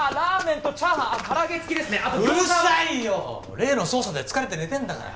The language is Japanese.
例の捜査で疲れて寝てるんだから。